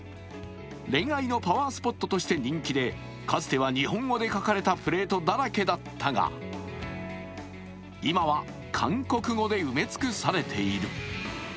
恋愛のパワースポットとして人気でかつては日本語で書かれたプレートだらけだったが今は、韓国語で埋め尽くされている。